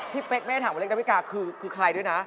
เป๊กไม่ได้ถามว่าเล่นดาวิกาคือใครด้วยนะ